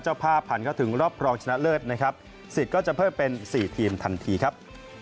จะเข้ารอบถันไปได้ในรอบต่อไปครับ